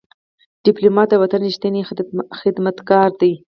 ډيپلومات د وطن ریښتینی خدمتګار دی.